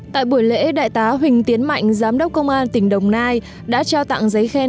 tại buổi lễ đại tá huỳnh tiến mạnh giám đốc công an tỉnh đồng nai đã trao tặng giấy khen